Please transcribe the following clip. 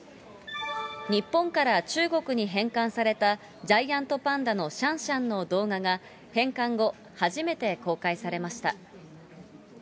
日本から中国に返還されたジャイアントパンダのシャンシャンの動画が、返還後、初めて公開されました。